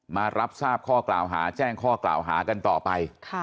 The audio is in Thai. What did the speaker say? มารับทราบข้อกล่าวหาแจ้งข้อกล่าวหากันต่อไป